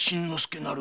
なる